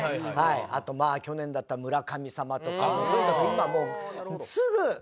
あと去年だったら村神様とかとにかく今もうすぐ神。